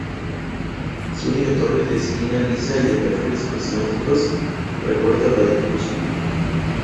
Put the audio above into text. Su única torre de esquina lisa y de perfiles prismáticos, recuerda la del Cuzco.